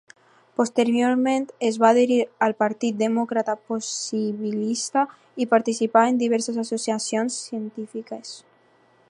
Posteriorment es va adherir al Partit Demòcrata Possibilista i participà en diverses associacions científiques.